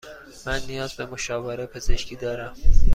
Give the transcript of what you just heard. من نیاز به مشاوره پزشکی دارم.